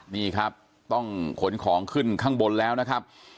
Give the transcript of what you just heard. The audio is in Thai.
นี่ครับต้องขนของขึ้นข้างบนแล้วนะครับ